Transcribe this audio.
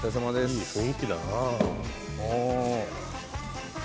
いい雰囲気だな。